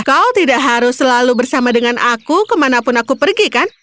kau tidak harus selalu bersama dengan aku kemanapun aku pergi kan